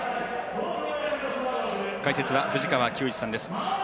解説は藤川球児さんです。